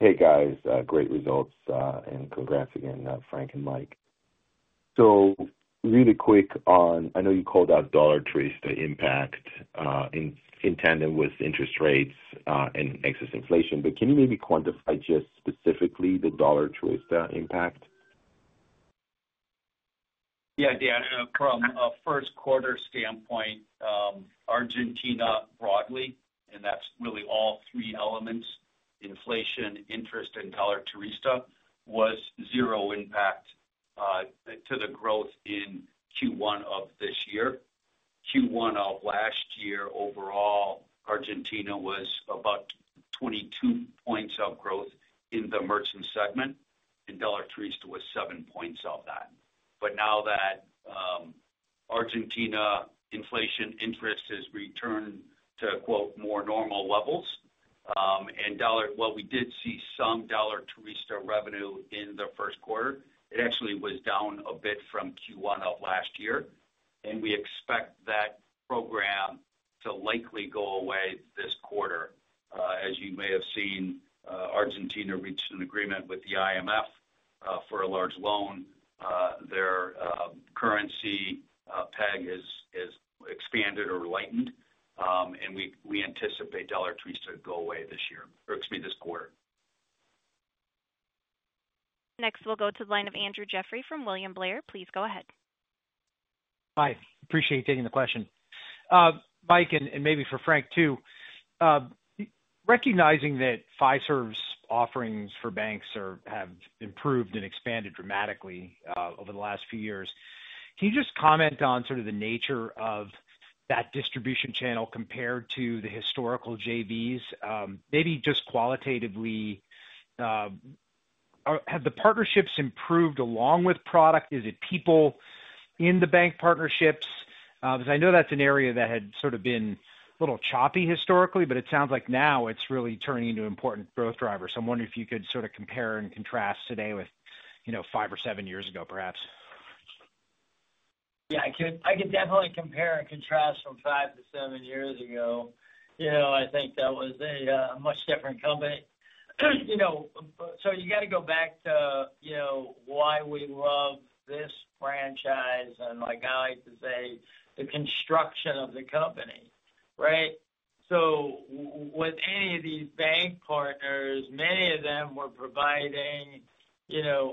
Hey, guys. Great results. And congrats again, Frank and Mike. Really quick on, I know you called out dollar twist impact in tandem with interest rates and excess inflation. Can you maybe quantify just specifically the dollar twist impact? Yeah, Dan, from a first quarter standpoint, Argentina broadly, and that's really all three elements, inflation, interest, and dollar twist was zero impact to the growth in Q1 of this year. Q1 of last year, overall, Argentina was about 22 points of growth in the merchant segment, and dollar twist was 7 points of that. Now that Argentina inflation interest has returned to "more normal levels," and while we did see some dollar twist revenue in the first quarter, it actually was down a bit from Q1 of last year. We expect that program to likely go away this quarter. As you may have seen, Argentina reached an agreement with the IMF for a large loan. Their currency peg has expanded or lightened, and we anticipate Dollar Twist to go away this year or excuse me, this quarter. Next, we'll go to the line of Andrew Jeffrey from William Blair. Please go ahead. Hi. Appreciate you taking the question. Mike, and maybe for Frank too, recognizing that Fiserv's offerings for banks have improved and expanded dramatically over the last few years, can you just comment on sort of the nature of that distribution channel compared to the historical JVs? Maybe just qualitatively, have the partnerships improved along with product? Is it people in the bank partnerships? Because I know that's an area that had sort of been a little choppy historically, but it sounds like now it's really turning into important growth drivers. I'm wondering if you could sort of compare and contrast today with five or seven years ago, perhaps. Yeah, I could definitely compare and contrast from five to seven years ago. I think that was a much different company. You got to go back to why we love this franchise. I like to say the construction of the company, right? With any of these bank partners, many of them were providing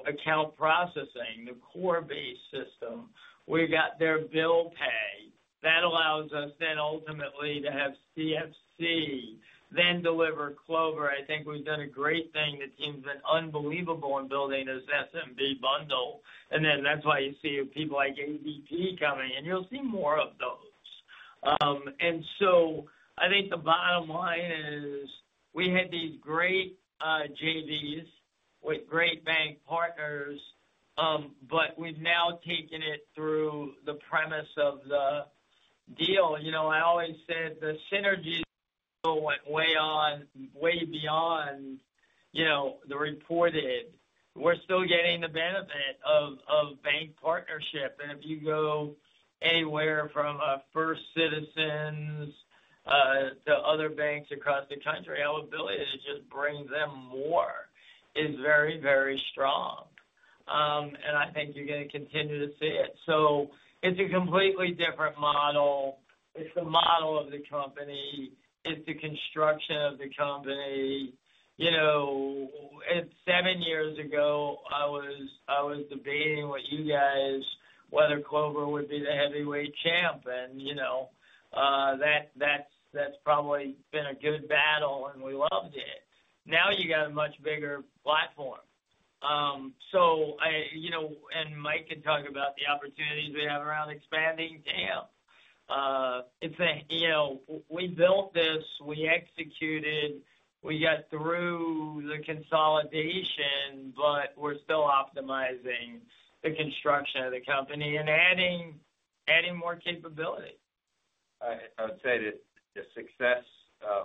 account processing, the core-based system. We got their bill pay. That allows us then ultimately to have CFC then deliver Clover. I think we've done a great thing. The team's been unbelievable in building this SMB bundle. That is why you see people like ADP coming, and you'll see more of those. I think the bottom line is we had these great JVs with great bank partners, but we've now taken it through the premise of the deal. I always said the synergy went way on, way beyond the reported. We're still getting the benefit of bank partnership. If you go anywhere from First Citizens to other banks across the country, our ability to just bring them more is very, very strong. I think you're going to continue to see it. It is a completely different model. It is the model of the company. It is the construction of the company. Seven years ago, I was debating with you guys whether Clover would be the heavyweight champ. That has probably been a good battle, and we loved it. Now you have a much bigger platform. Mike can talk about the opportunities we have around expanding champ. We built this. We executed. We got through the consolidation, but we're still optimizing the construction of the company and adding more capability. I would say that the success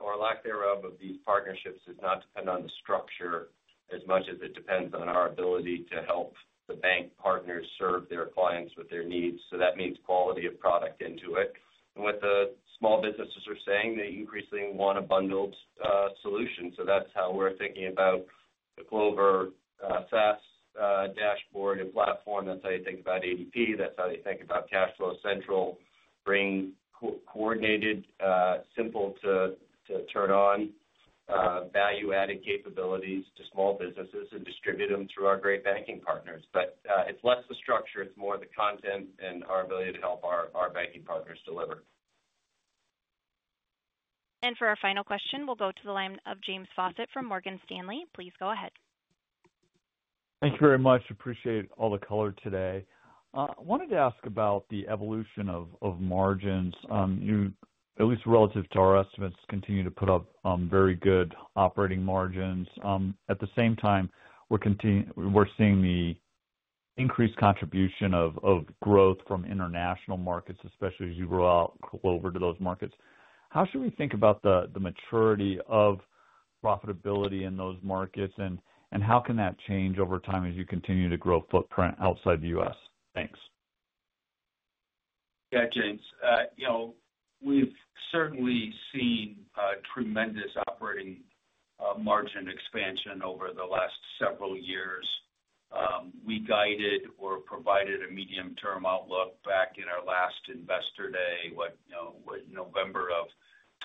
or lack thereof of these partnerships does not depend on the structure as much as it depends on our ability to help the bank partners serve their clients with their needs. That means quality of product into it. What the small businesses are saying, they increasingly want a bundled solution. That is how we're thinking about the Clover SaaS dashboard and platform. That is how you think about ADP. That is how they think about CashFlow Central, bringing coordinated, simple-to-turn-on value-added capabilities to small businesses and distribute them through our great banking partners. It is less the structure. It is more the content and our ability to help our banking partners deliver. For our final question, we'll go to the line of James Faucette from Morgan Stanley. Please go ahead. Thank you very much. Appreciate all the color today. I wanted to ask about the evolution of margins. At least relative to our estimates, continue to put up very good operating margins. At the same time, we're seeing the increased contribution of growth from international markets, especially as you roll out Clover to those markets. How should we think about the maturity of profitability in those markets, and how can that change over time as you continue to grow footprint outside the U.S.? Thanks. Yeah, James. We've certainly seen tremendous operating margin expansion over the last several years. We guided or provided a medium-term outlook back in our last investor day, November of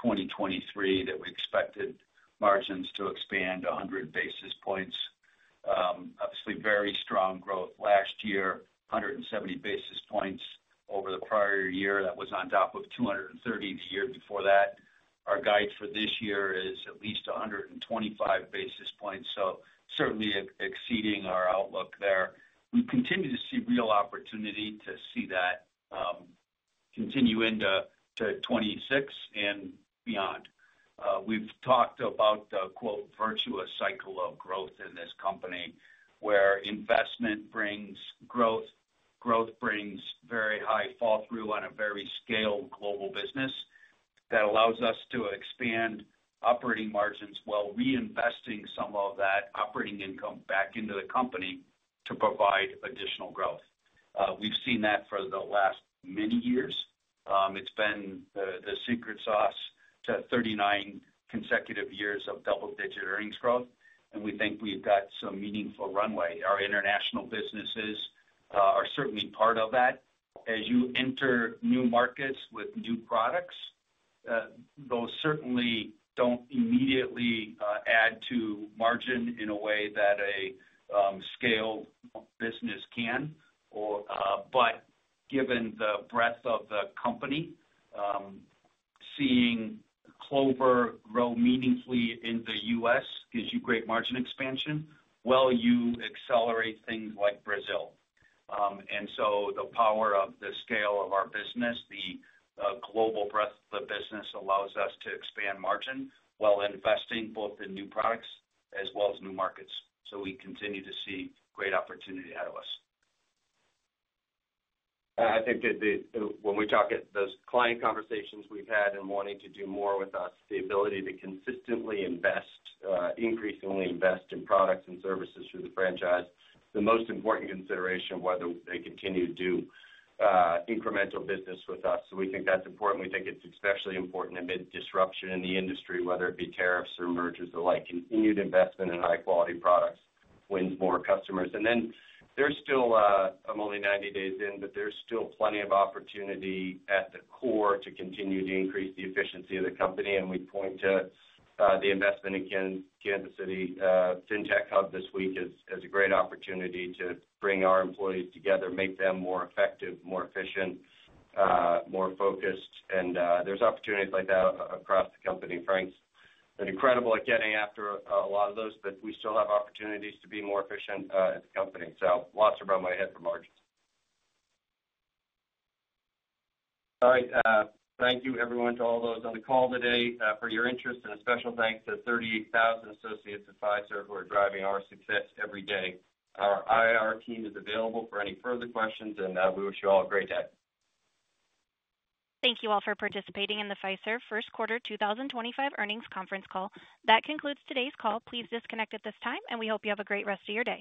2023, that we expected margins to expand 100 basis points. Obviously, very strong growth last year, 170 basis points over the prior year. That was on top of 230 the year before that. Our guide for this year is at least 125 basis points. Certainly exceeding our outlook there. We continue to see real opportunity to see that continue into 2026 and beyond. We have talked about the "virtuous cycle of growth" in this company where investment brings growth, growth brings very high fall-through on a very scaled global business that allows us to expand operating margins while reinvesting some of that operating income back into the company to provide additional growth. We have seen that for the last many years. It has been the secret sauce to 39 consecutive years of double-digit earnings growth. We think we have got some meaningful runway. Our international businesses are certainly part of that. As you enter new markets with new products, those certainly do not immediately add to margin in a way that a scaled business can. Given the breadth of the company, seeing Clover grow meaningfully in the U.S. gives you great margin expansion while you accelerate things like Brazil. The power of the scale of our business, the global breadth of the business allows us to expand margin while investing both in new products as well as new markets. We continue to see great opportunity ahead of us. I think that when we talk at those client conversations we have had and wanting to do more with us, the ability to consistently invest, increasingly invest in products and services through the franchise, the most important consideration of whether they continue to do incremental business with us. We think that is important. We think it is especially important amid disruption in the industry, whether it be tariffs or mergers alike. Continued investment in high-quality products wins more customers. There is still, I'm only 90 days in, but there is still plenty of opportunity at the core to continue to increase the efficiency of the company. We point to the investment in Kansas City FinTech Hub this week as a great opportunity to bring our employees together, make them more effective, more efficient, more focused. There are opportunities like that across the company. Frank's been incredible at getting after a lot of those, but we still have opportunities to be more efficient at the company. Lots around my head for margins. Thank you, everyone, to all those on the call today for your interest. A special thanks to the 38,000 associates at Fiserv who are driving our success every day. Our IR team is available for any further questions, and we wish you all a great day. Thank you all for participating in the Fiserv First Quarter 2025 Earnings Conference Call. That concludes today's call. Please disconnect at this time, and we hope you have a great rest of your day.